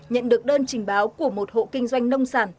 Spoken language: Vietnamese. nhận được đơn trình báo của một hộ kinh doanh nông sản